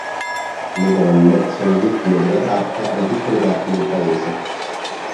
Le donne sono vittime della tratta da tutte le parti del paese.